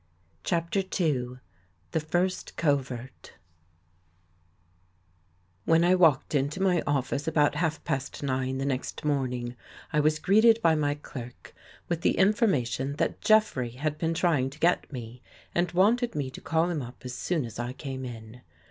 CHAPTER II THE FIRST COVERT W HEN I walked into my office about half past nine the next morning, I was greeted by my clerk with the information that Jeffrey had been try ing to get me and wanted me to call him up as soon as I came in.